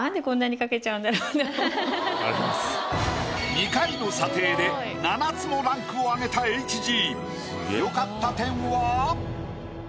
２回の査定で７つもランクを上げたＨＧ。